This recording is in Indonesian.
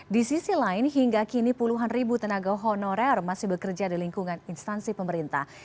di sisi lain hingga kini puluhan ribu tenaga honorer masih bekerja di lingkungan instansi pemerintah